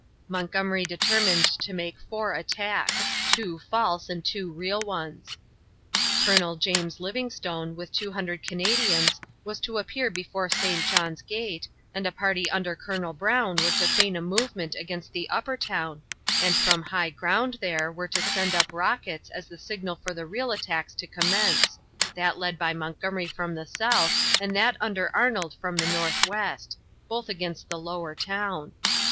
Montgomery determined to make four attacks two false and two real ones. Colonel James Livingstone, with 200 Canadians, was to appear before St. John's gate, and a party under Colonel Brown were to feign a movement against the upper town, and from high ground there were to send up rockets as the signal for the real attacks to commence that led by Montgomery from the south and that under Arnold from the northwest both against the lower town.